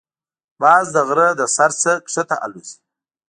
باز د غره له سر نه ښکته الوزي